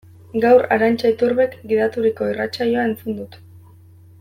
Gaur Arantxa Iturbek gidaturiko irratsaioa entzun dut.